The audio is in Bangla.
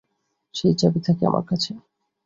সেই চাবি থাকে আমার কাছে।